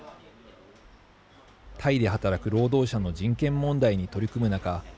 タイで働く労働者の人権問題に取り組む中